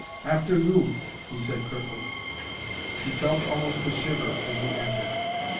"After you," he said curtly. He felt almost a shiver as he entered.